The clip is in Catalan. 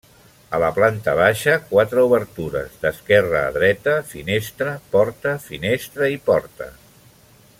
A la planta baixa, quatre obertures, d'esquerra a dreta: finestra, porta, finestra i porta.